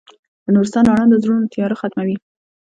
د نورستان رڼا د زړونو تیاره ختموي.